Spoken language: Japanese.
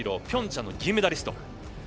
ピョンチャンの銀メダリスト。